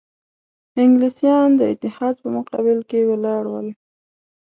انګلیسیان د اتحاد په مقابل کې ولاړ ول.